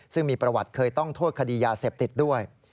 ซึ่งมีประวัติเคยต้องโทษคดียาเสพติดด้วย